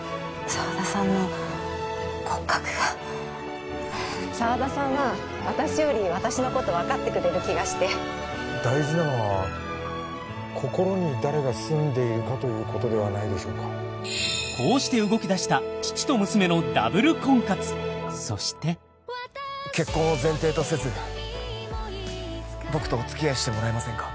沢田さんの骨格が沢田さんは私より私のこと分かってくれる気がして大事なのは心に誰が住んでいるかということではないでしょうかこうしてそして結婚を前提とせず僕とおつきあいしてもらえませんか？